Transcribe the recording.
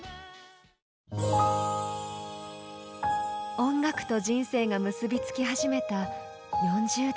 音楽と人生が結び付き始めた４０代。